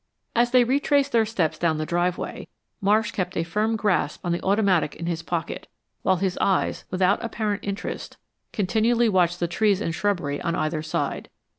As they retraced their steps down the driveway, Marsh kept a firm grasp on the automatic in his pocket while his eyes, without apparent interest, continually watched the trees and shrubbery on either side.